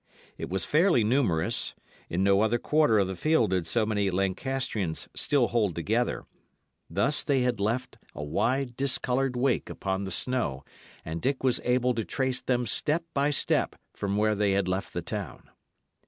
It was fairly numerous; in no other quarter of the field did so many Lancastrians still hold together; thus they had left a wide, discoloured wake upon the snow, and Dick was able to trace them step by step from where they had left the town.